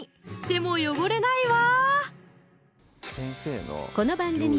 手も汚れないわ！